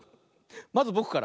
まずぼくから。